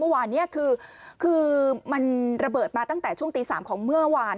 เมื่อวานนี้คือมันระเบิดมาตั้งแต่ช่วงตี๓ของเมื่อวาน